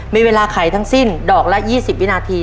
มีเวลาไขทั้งสิ้นดอกละ๒๐วินาที